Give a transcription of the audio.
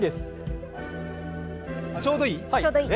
ちょうどいい？